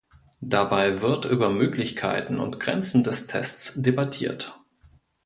Dabei wird über Möglichkeiten und Grenzen des Tests debattiert.